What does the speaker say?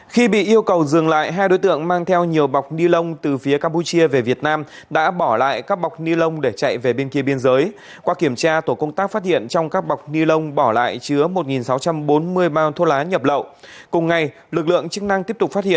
khi bị yêu cầu dừng lại hai đối tượng mang chức năng liên tục bắt giữ hai vụ buôn lậu thu giữ trên hai một trăm ba mươi thuốc lá ngoại